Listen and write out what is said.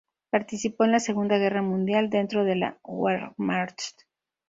Participó en la Segunda Guerra Mundial dentro de la Wehrmacht.